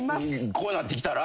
こうなってきたら？